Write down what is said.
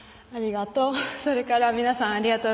ありがとう。